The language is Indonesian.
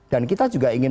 dan kita juga ingin